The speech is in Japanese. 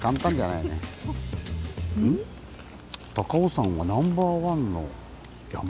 「高尾山はナンバーワンの山⁉」。